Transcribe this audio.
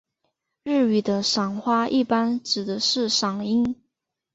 日语的赏花一般指的是赏樱。